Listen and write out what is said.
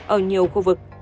ở nhiều khu vực